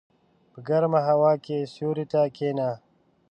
په ګرمه هوا کې سیوري ته کېنه.